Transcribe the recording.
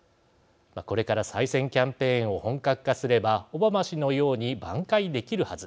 これから再選キャンペーンを本格化すればオバマ氏のように挽回できるはず。